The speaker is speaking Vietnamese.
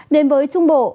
đến với trung bộ